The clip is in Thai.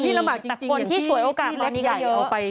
คนที่ลำบากจริงอย่างที่เล็กใหญ่เอาไป